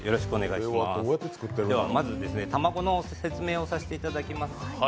まず卵の説明をさせていただきます。